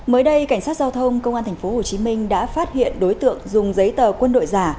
mới đây cảnh sát giao thông công an tp hcm đã phát hiện đối tượng dùng giấy tờ quân đội giả